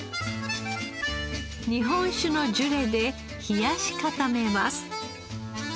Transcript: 日本酒のジュレで冷やし固めます。